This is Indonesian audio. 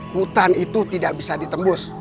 hutan itu tidak bisa ditembus